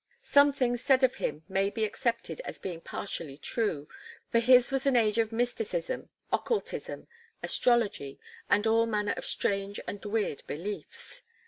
Some things said of him may be accepted as being partially true, for his was an age of mysticism, occultism, astrology, and all manner of strange and weird beliefs.